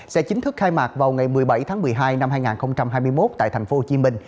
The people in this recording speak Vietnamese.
sẽ chính thức khai mạc vào ngày một mươi bảy tháng một mươi hai năm hai nghìn hai mươi một tại tp hcm